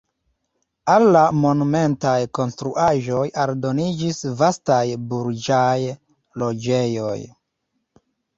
Al la monumentaj konstruaĵoj aldoniĝis vastaj burĝaj loĝejoj.